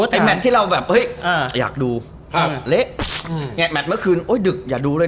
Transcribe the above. ไอ้แมทที่เราแบบอยากดูเละไอ้แมทเมื่อคืนโอ๊ยดึกอย่าดูเลย